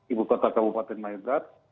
ibu kota kabupaten nayagat